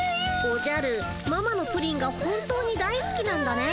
おじゃるママのプリンが本当に大すきなんだね。